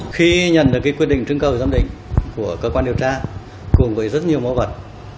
khi nhận được quyết định trưng cầu giám định của cơ quan điều tra cùng với rất nhiều mẫu vật